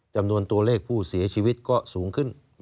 จำนวนตัวเลขผู้เสียชีวิตก็สูงขึ้น